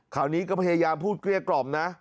คราวนี้ก็พยายามพูดเกลี้ยกล่อมนะ